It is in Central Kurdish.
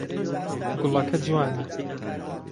گوڵەکە جوانە.